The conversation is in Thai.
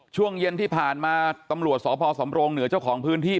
ช่วงเย็นที่ผ่านมาตำรวจสพสำโรงเหนือเจ้าของพื้นที่